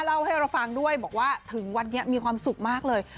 เล่าให้เราฟังด้วยบอกว่าถึงวัดนี้มีความสุขมากเลย